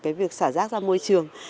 cái việc xả rác ra môi trường